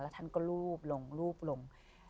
แล้วท่านก็ลูบลงลูบลง